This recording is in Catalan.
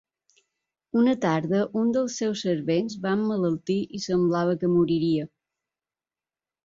Una tarda, un dels seus servents va emmalaltir i semblava que moriria.